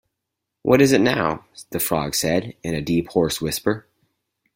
‘What is it, now?’ the Frog said in a deep hoarse whisper.